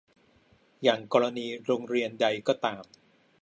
อย่างกรณีโรงเรียนใดก็ตาม